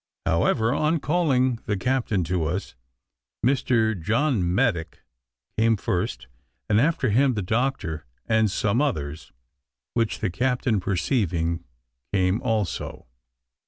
However, on calling the captain to us, Mr. John Maddick came first, and after him the doctor and some others, which the captain perceiving, came also.